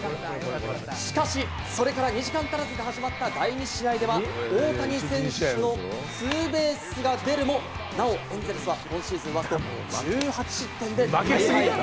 しかし、それから２時間足らずで始まった第２試合では大谷選手のツーベースが出るも、「なおエ」ンゼルスは今シーズンワースト１８失点で大敗。